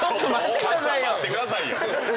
大橋さん待ってくださいよ。